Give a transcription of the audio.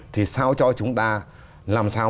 thì sao cho chúng ta làm sao